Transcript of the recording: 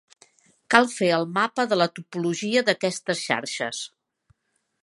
Cal fer el mapa de la topologia d'aquestes xarxes.